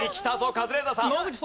カズレーザーさん。